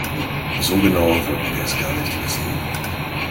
So genau wollten wir es gar nicht wissen.